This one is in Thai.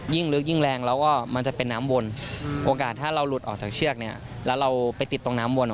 ลึกยิ่งแรงแล้วก็มันจะเป็นน้ำวนโอกาสถ้าเราหลุดออกจากเชือกเนี่ยแล้วเราไปติดตรงน้ำวน